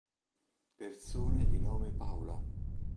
Persone di nome Paula